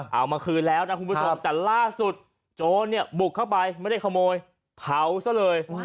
เอามาคืนแล้วนะคุณผู้ชมแต่ล่าสุดโจรเนี่ยบุกเข้าไปไม่ได้ขโมยเผาซะเลย